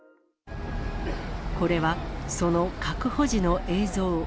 これは、その確保時の映像。